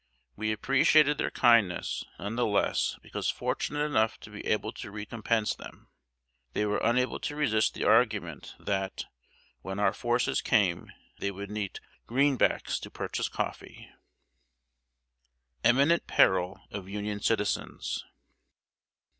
We appreciated their kindness none the less because fortunate enough to be able to recompense them. They were unable to resist the argument that, when our forces came, they would need "green backs" to purchase coffee. [Sidenote: IMMINENT PERIL OF UNION CITIZENS.